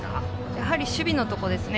やはり守備のところですね。